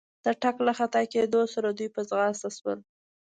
د ټک له خطا کېدو سره دوی په ځغستا شول.